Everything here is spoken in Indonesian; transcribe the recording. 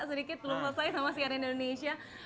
sedikit lupa saya sama si arie indonesia